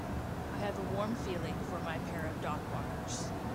I have a warm feeling for my pair of dogwalkers.